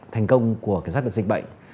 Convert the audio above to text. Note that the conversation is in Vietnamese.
thành công của kiểm soát dịch bệnh